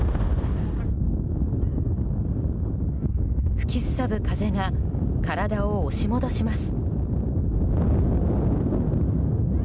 吹きすさぶ風が体を押し戻します。